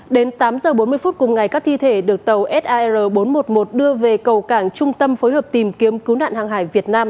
đến tám h bốn mươi phút cùng ngày các thi thể được tàu sar bốn trăm một mươi một đưa về cầu cảng trung tâm phối hợp tìm kiếm cứu nạn hàng hải việt nam